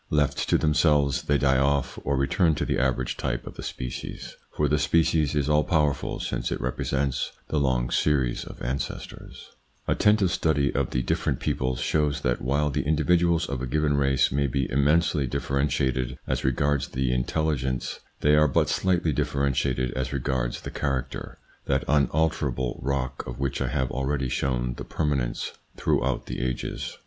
Left to themselves they die off or return to the average type of the species, for the species is all powerful since it repre sents the long series of ancestors, Attentive study of the different peoples shows that while the individuals of a given race may be immensely differentiated as regards the intelligence, they are but slightly differentiated as regards the character, that unalterable rock of which I have already shown the permanence throughout the ages.